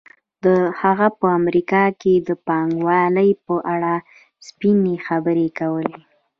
هغه په امریکا کې د پانګوالۍ په اړه سپینې خبرې کولې